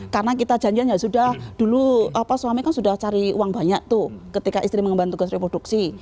karena kita janjian ya sudah dulu apa suami kan sudah cari uang banyak tuh ketika istri mengembang tugas reproduksi